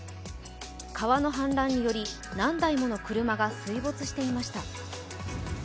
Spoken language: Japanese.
川の氾濫により、何台もの車が水没していました。